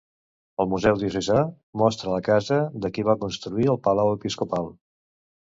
El Museu Diocesà mostra la casa de qui va construir el Palau Episcopal.